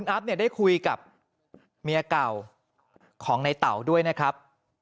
อัพเนี่ยได้คุยกับเมียเก่าของในเต๋าด้วยนะครับ